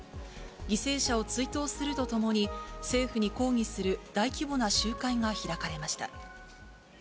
犠牲者を追悼するとともに、政府に抗議する大規模な集会が開かれました。